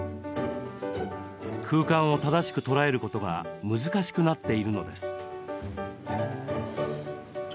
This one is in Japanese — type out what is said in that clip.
空間を正しく捉えることが難しくなっているのです。